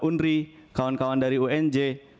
undri kawan kawan dari unj